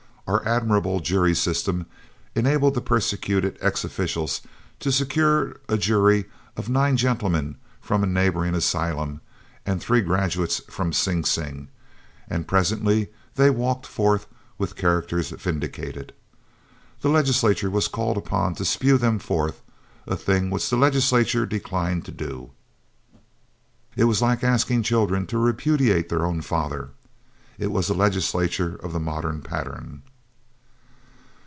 Our admirable jury system enabled the persecuted ex officials to secure a jury of nine gentlemen from a neighboring asylum and three graduates from Sing Sing, and presently they walked forth with characters vindicated. The legislature was called upon to spew them forth a thing which the legislature declined to do. It was like asking children to repudiate their own father. It was a legislature of the modern pattern.